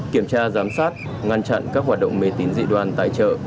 kiểm tra giám sát ngăn chặn các hoạt động mê tín dị đoan tài trợ